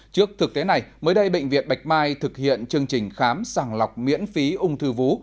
trước thực tế này mới đây bệnh viện bạch mai thực hiện chương trình khám sàng lọc miễn phí ung thư vú